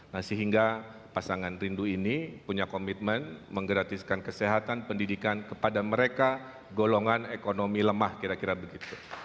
nah sehingga pasangan rindu ini punya komitmen menggratiskan kesehatan pendidikan kepada mereka golongan ekonomi lemah kira kira begitu